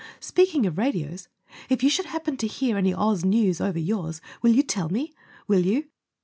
Speaking of radios, if you should happen to hear any OZ news over yours will you tell me? Will you?